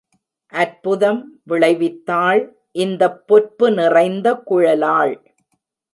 அற்புதம் விளைவித்தாள் இந்தப் பொற்பு நிறைந்த குழலாள்.